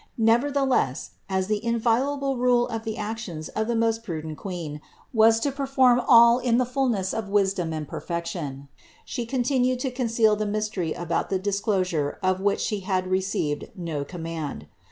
Nevertheless, as the inviolable rule of the actions of the most prudent Queen was to perform all in the fullness of wisdom and perfection, She con tinued to conceal the mystery about the disclosure of which She had received no command.